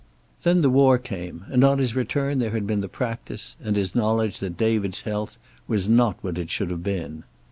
Then the war came, and on his return there had been the practice, and his knowledge that David's health was not what it should have been.